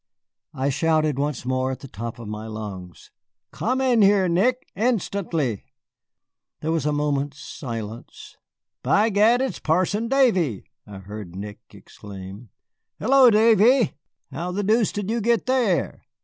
I shouted once more at the top of my lungs: "Come in here, Nick, instantly!" There was a moment's silence. "By gad, it's Parson Davy!" I heard Nick exclaim. "Halloo, Davy, how the deuce did you get there?"